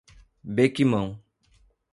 Bequimão